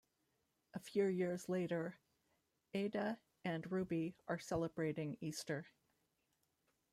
A few years later, Ada and Ruby are celebrating Easter.